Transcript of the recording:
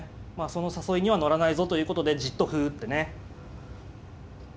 その誘いには乗らないぞということでじっと歩打ってね。